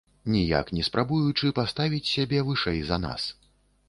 Ніяк не спрабуючы паставіць сябе вышэй за нас.